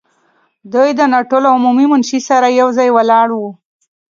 دوی د ناټو له عمومي منشي سره یو ځای ولاړ وو.